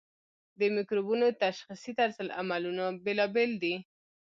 د مکروبونو تشخیصي طرزالعملونه بیلابیل دي.